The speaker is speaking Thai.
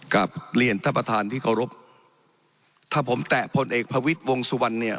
กลับเรียนท่านประธานที่เคารพถ้าผมแตะพลเอกประวิทย์วงสุวรรณเนี่ย